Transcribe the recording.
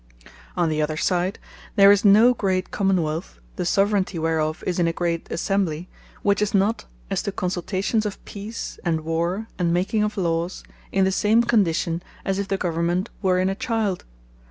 On the other side, there is no great Common wealth, the Soveraignty whereof is in a great Assembly, which is not, as to consultations of Peace, and Warre, and making of Lawes, in the same condition, as if the Government were in a Child.